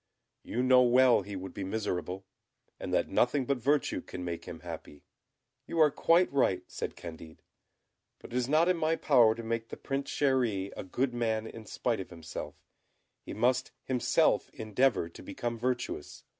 You know well he would be miserable, and that nothing but virtue can make him happy." "You are quite right," said Candid; "but it is not in my power to make the Prince Chéri a good man in spite of himself; he must himself endeavour to become virtuous.